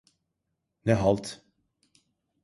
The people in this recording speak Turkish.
Ne halt…